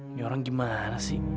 ini orang gimana sih